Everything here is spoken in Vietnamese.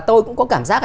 tôi cũng có cảm giác